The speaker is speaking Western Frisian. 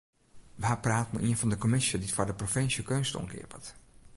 We ha praat mei ien fan de kommisje dy't foar de provinsje keunst oankeapet.